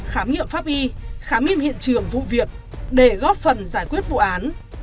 khám nghiệm pháp y khám nghiệm hiện trường vụ việc để góp phần giải quyết vụ án